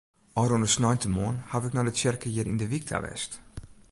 Ofrûne sneintemoarn haw ik nei de tsjerke hjir yn de wyk ta west.